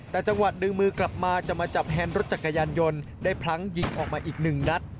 แต่จังหวะดึงมือกลับมาจะมาจับแฮนด์รถจักรยานยนต์ได้พลั้งยิงออกมาอีกหนึ่งนัด